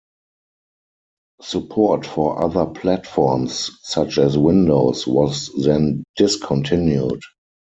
Support for other platforms, such as Windows, was then discontinued.